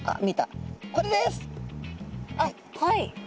はい！